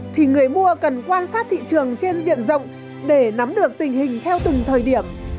thì người mua cần quan sát thị trường trên diện rộng để nắm được tình hình theo từng thời điểm